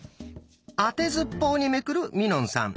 あてずっぽうにめくるみのんさん。